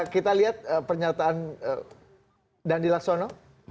kita lihat pernyataan dandi laksono